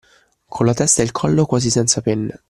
Con la testa e il collo quasi senza penne